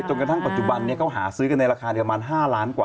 ต้นกระทั่งปัจจุบันเขาหาซื้อกันในราคาประมาณ๕ล้านกว่า